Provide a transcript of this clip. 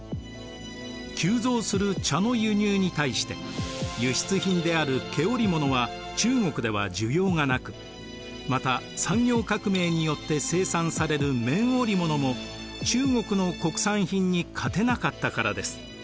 急増する茶の輸入に対して輸出品である毛織物は中国では需要がなくまた産業革命によって生産される綿織物も中国の国産品に勝てなかったからです。